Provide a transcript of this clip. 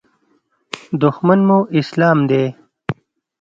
دښمن مو اسلام دی.